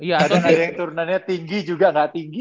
ada yang turnannya tinggi juga gak tinggi